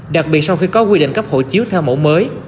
đặc biệt sau khi có quy định cấp hộ chiếu theo mẫu mới